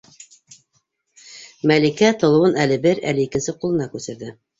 Мәликә толобон әле бер, әле икенсе ҡулына күсерҙе: